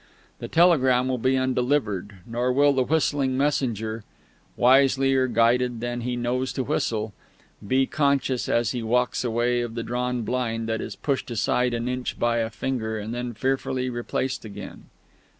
The telegram will be undelivered, nor will the whistling messenger (wiselier guided than he knows to whistle) be conscious as he walks away of the drawn blind that is pushed aside an inch by a finger and then fearfully replaced again.